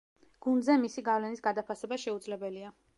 გუნდზე მისი გავლენის გადაფასება შეუძლებელია.